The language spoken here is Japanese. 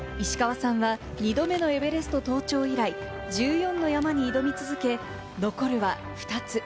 石川さんは２度目のエベレスト登頂以来、１４の山に挑みつづけ、残るは２つ。